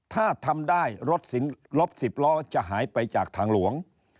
ถ้าทำได้รถ๑๐ล้อจะหายไปจากทางหลวง